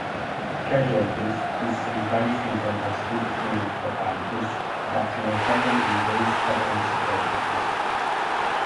"Casualties" is sometimes misunderstood to mean "fatalities", but non-fatal injuries are also casualties.